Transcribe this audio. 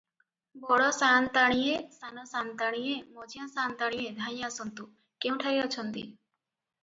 "ବଡ଼ ସାଆନ୍ତାଣୀଏ ସାନ ସାଆନ୍ତାଣୀଏ, ମଝିଆଁ ସାଆନ୍ତାଣୀଏ, ଧାଇଁ ଆସନ୍ତୁ, କେଉଁଠାରେ ଅଛନ୍ତି?